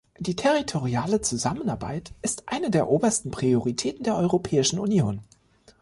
Die territoriale Zusammenarbeit ist eine der obersten Prioritäten der Europäischen Union.